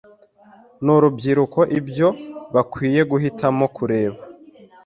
n’urubyiruko ibyo bakwiye guhitamo kureba